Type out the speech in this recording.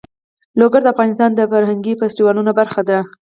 لوگر د افغانستان د فرهنګي فستیوالونو برخه ده.